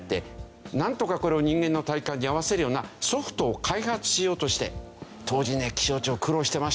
なんとかこれを人間の体感に合わせるようなソフトを開発しようとして当時ね気象庁苦労してましたよ。